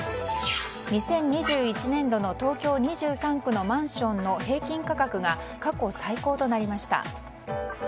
２０２１年度の東京２３区のマンションの平均価格が過去最高となりました。